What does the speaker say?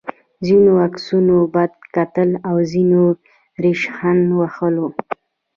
ځینو عسکرو بد کتل او ځینو ریشخند وهلو